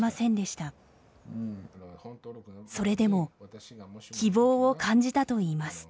それでも希望を感じたといいます。